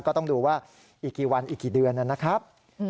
ก็ต้องดูว่าอีกกี่วันอีกกี่เดือนนะครับ